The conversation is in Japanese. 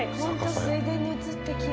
水田に映って奇麗。